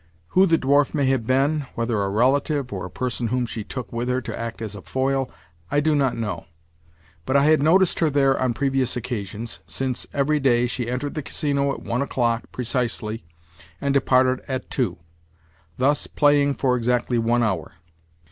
Who the dwarf may have been—whether a relative or a person whom she took with her to act as a foil—I do not know; but I had noticed her there on previous occasions, since, everyday, she entered the Casino at one o'clock precisely, and departed at two—thus playing for exactly one hour.